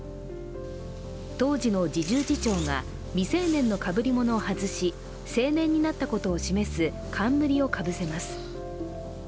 当時、侍従次長が未成年のかぶり物を外し成年になったことを示す冠をかぶせます。